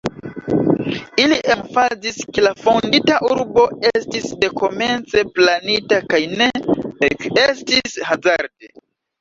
Ili emfazis, ke la fondita urbo estis dekomence planita kaj ne ekestis hazarde.